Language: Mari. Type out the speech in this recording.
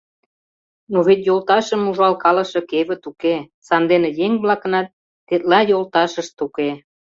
Но вет йолташым ужалкалыше кевыт уке, сандене еҥ-влакынат тетла йолташышт уке.